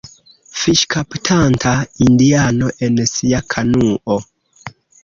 Fiŝkaptanta indiano en sia kanuo.